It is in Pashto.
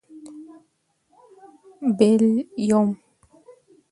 بېل. √ یوم